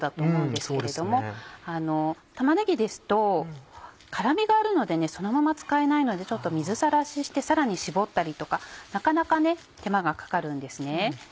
玉ねぎですと辛みがあるのでねそのまま使えないのでちょっと水さらししてさらに絞ったりとかなかなか手間がかかるんですね。